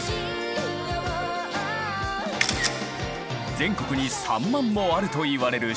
全国に３万もあるといわれる城。